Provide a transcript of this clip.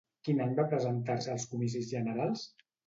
Quin any va presentar-se als comicis generals?